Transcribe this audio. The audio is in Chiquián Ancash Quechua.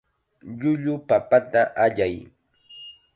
Llullu papata allay.